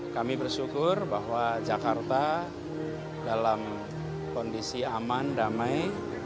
kami bersyukur bahwa jakarta dalam kondisi aman damai